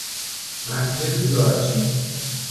مسجد جارچی